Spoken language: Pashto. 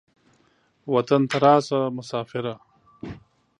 وطن ته راسه مسافره.